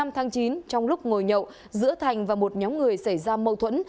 năm tháng chín trong lúc ngồi nhậu giữa thành và một nhóm người xảy ra mâu thuẫn